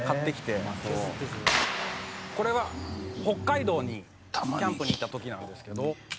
「これは北海道にキャンプに行った時なんですけど」